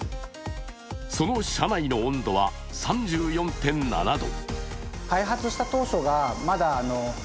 その車内の温度は３４．７度。